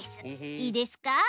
いいですか？